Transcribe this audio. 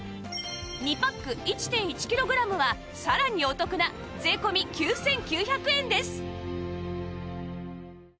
２パック １．１ キログラムはさらにお得な税込９９００円です